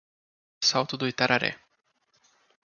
Salto do Itararé